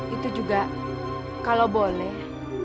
itu juga kalau boleh